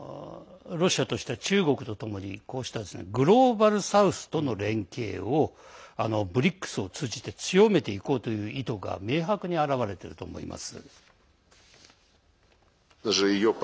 ロシアとしては中国とともにこうしたグローバル・サウスとの連携をＢＲＩＣＳを通じて強めていこうという意図が明白に現れていると思います。